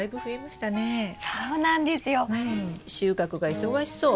収穫が忙しそう。